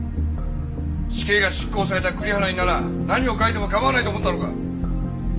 死刑が執行された栗原になら何を書いても構わないと思ったのか？